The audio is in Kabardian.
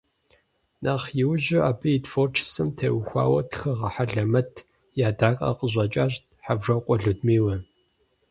Нэхъ иужьу абы и творчествэм теухуауэ тхыгъэ хьэлэмэт и Ӏэдакъэ къыщӀэкӀащ Хьэвжокъуэ Людмилэ.